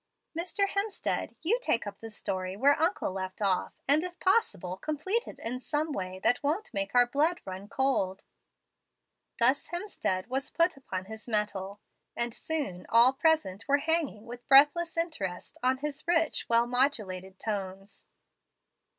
Mr. Hemstead, you take up the story where uncle left off, and, if possible, complete it in a way that won't make our blood run cold." Thus Hemstead was put upon his mettle, and soon all present were hanging with breathless interest on his rich, well modulated tones.